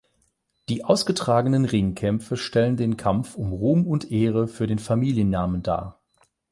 Die ausgetragenen Ringkämpfe stellen den Kampf um Ruhm und Ehre für den Familiennamen dar.